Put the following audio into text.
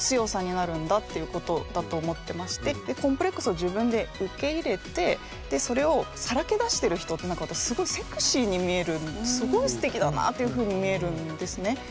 私はやっぱりコンプレックスを自分で受け入れてそれをさらけ出してる人ってなんか私すごいセクシーに見えるすごいすてきだなっていうふうに見えるんですね。